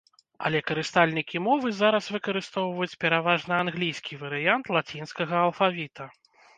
Але карыстальнікі мовы зараз выкарыстоўваюць пераважна англійскі варыянт лацінскага алфавіта.